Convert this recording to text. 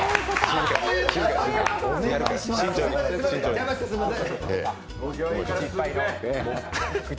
邪魔してすいません。